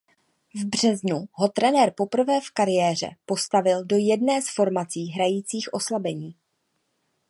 V březnu ho trenér poprvé v kariéře postavil do jedné z formací hrajících oslabení.